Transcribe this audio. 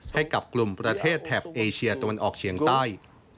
ให้กับกลุ่มประเทศแถบเอเชียตะวันออกเฉียงใต้